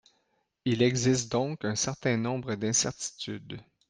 Il existe donc un certain nombre d’incertitudes.